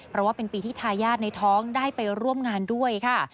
เพราะว่าเป็นปีที่ทายาทในท้องได้ไปร่วมงานด้วยค่ะ